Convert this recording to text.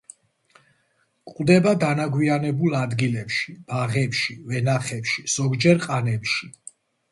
გვხვდება დანაგვიანებულ ადგილებში, ბაღებში, ვენახებში, ზოგჯერ ყანებში.